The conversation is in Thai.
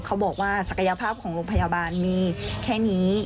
บอกว่าศักยภาพของโรงพยาบาลมีแค่นี้